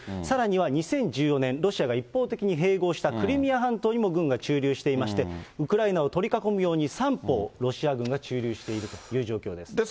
さらには２０１４年、ロシアが一方的に併合したクリミア半島にも軍が駐留していまして、ウクライナを取り囲むように、三方、ロシア軍が駐留しているという状況です。